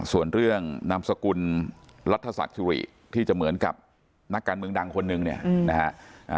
ส่วนเรื่องนามสกุลรัฐศักดิ์สุริที่จะเหมือนกับนักการเมืองดังคนหนึ่งเนี่ยนะฮะ